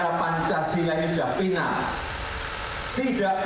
kalau itu ada ormas yang seperti itu ya kita gebuk